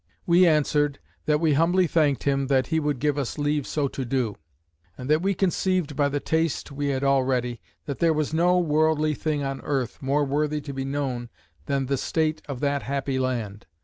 We answered; "That we humbly thanked him that he would give us leave so to do: and that we conceived by the taste we had already, that there was no worldly thing on earth, more worthy to be known than the state of that happy land.